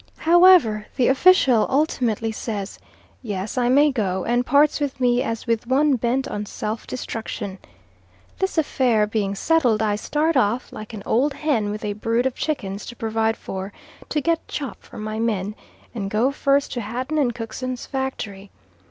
However, the official ultimately says Yes, I may go, and parts with me as with one bent on self destruction. This affair being settled I start off, like an old hen with a brood of chickens to provide for, to get chop for my men, and go first to Hatton and Cookson's factory.